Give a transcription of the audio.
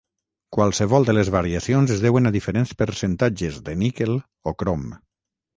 Qualsevol de les variacions es deuen a diferents percentatges de níquel o crom.